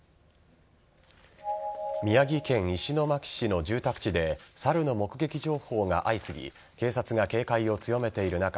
宮城県石巻市の住宅地で猿の目撃情報が相次ぎ警察が警戒を強めている中